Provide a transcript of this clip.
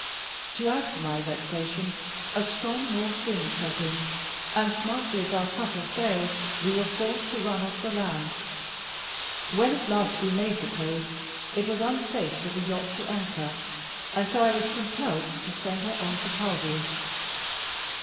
To add to my vexation, a strong north wind set in, and smartly as our cutter sailed, we were forced to run off the land. When at last we made the cove, it was unsafe for the yacht to anchor, and so I was compelled to send her on to Calvi.